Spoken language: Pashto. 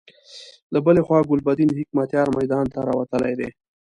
له بلې خوا ګلبدين حکمتیار میدان ته راوتلی دی.